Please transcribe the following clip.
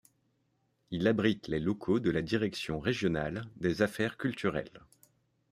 Il abrite les locaux de la Direction régionale des affaires culturelles.